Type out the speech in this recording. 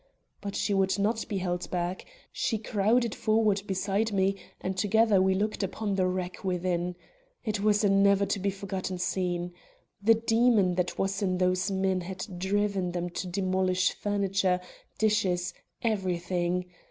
But she would not be held back. She crowded forward beside me, and together we looked upon the wreck within. It was a never to be forgotten scene. The demon that was in those men had driven them to demolish furniture, dishes, everything.